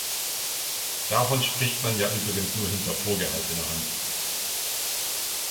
Davon spricht man ja übrigens nur hinter vorgehaltener Hand.